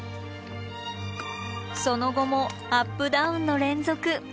その後もアップダウンの連続。